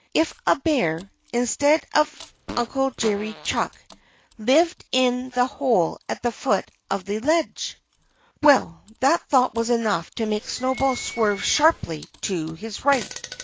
If a bear instead of Uncle Jerry Chuck lived in the hole at the foot of the ledge! Well, that thought was enough to make Snowball swerve sharply to his right.